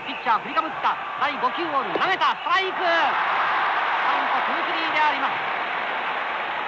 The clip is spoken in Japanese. カウントツースリーであります。